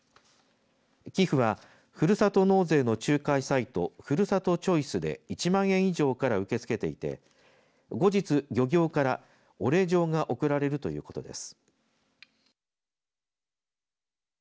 寄付は、ふるさと納税の仲介サイト、ふるさとチョイスで１万円以上から受け付けていて後日、漁協からお礼状が贈られるということです。